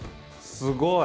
すごい。